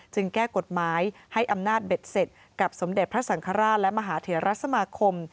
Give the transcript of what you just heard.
แก้กฎหมายให้อำนาจเบ็ดเสร็จกับสมเด็จพระสังฆราชและมหาเถระสมาคม